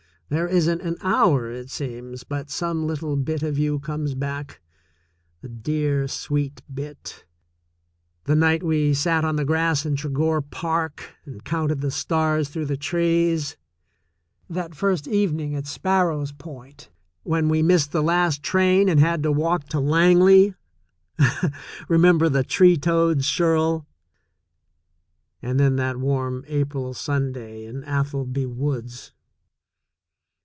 ^ There isn't an hour, it seems, but some Uttle bit of you comes back — a dear, sweet bit — the night we sat on the grass in Tregore Park and counted the stars through the trees ; that first evening at Sparrows Point when we missed the last train and had to walk to Langley. Re member the tree toads, Shirl ? And then that warm April Sunday in Atholby woods